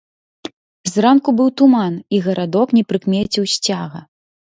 Зранку быў туман, і гарадок не прыкмеціў сцяга.